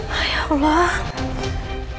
kok bisa begini sih ma